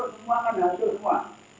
semangat hancur semua